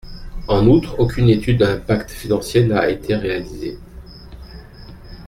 En outre, aucune étude d’impact financier n’a été réalisée.